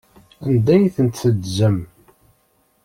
Anda ay ten-teddzem?